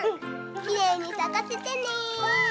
きれいにさかせてね。